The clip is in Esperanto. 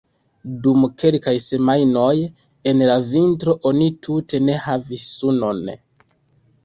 Dum kelkaj semajnoj en la vintro oni tute ne havas sunon.